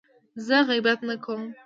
زه غیبت نه کوم.